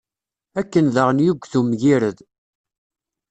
Akken daɣen yuget umgired.